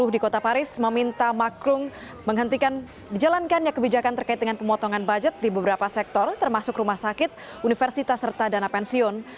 dijalankannya kebijakan terkait dengan pemotongan bajet di beberapa sektor termasuk rumah sakit universitas serta dana pensiun